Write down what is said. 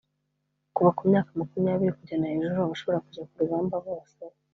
kuva ku myaka makumyabiri kujyana hejuru abashobora kujya ku rugamba bose